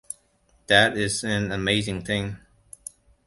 That is an amazing thing.